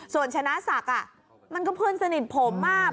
ส่วนชนะศักดิ์มันก็เพื่อนสนิทผมมาก